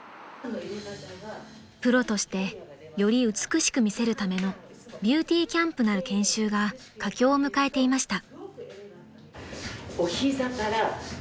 ［プロとしてより美しく見せるためのビューティーキャンプなる研修が佳境を迎えていました］